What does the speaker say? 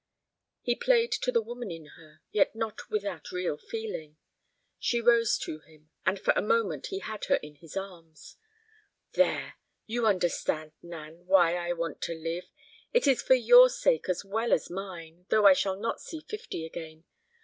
He played to the woman in her, yet not without real feeling. She rose to him, and for a moment he had her in his arms. "There. You understand, Nan, why I want to live. It is for your sake as well as mine, though I shall not see fifty again.